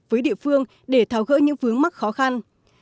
với địa phương để tháo gỡ những vướng mắc khó khăn